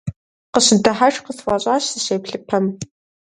Къысщыдыхьэшх къысфӀэщӀащ, сыщеплъыпэм.